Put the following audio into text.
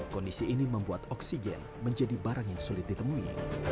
kondisi ini membuat oksigen menjadi barang yang sulit ditemui